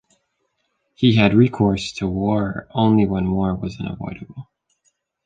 He had recourse to war only when war was unavoidable.